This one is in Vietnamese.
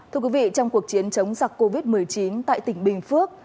thưa quý vị trong cuộc chiến chống giặc covid một mươi chín tại tỉnh bình phước